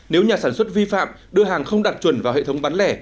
nếu nhà sản xuất vi phạm đưa hàng không đạt chuẩn vào hệ thống bán lẻ